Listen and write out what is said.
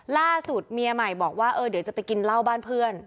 เมียใหม่บอกว่าเออเดี๋ยวจะไปกินเหล้าบ้านเพื่อน